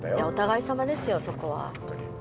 お互いさまですよそこは。